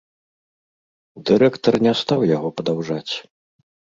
Дырэктар не стаў яго падаўжаць.